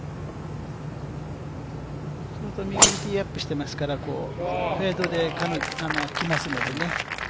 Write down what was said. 右にティーアップしてますからフェードできますのでね。